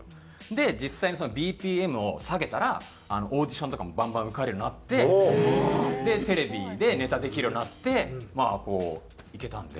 で実際にＢＰＭを下げたらオーディションとかもバンバン受かるようになってテレビでネタできるようになってまあこういけたんで。